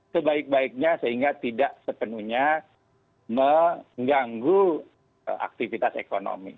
sebaik baiknya sehingga tidak sepenuhnya mengganggu aktivitas ekonomi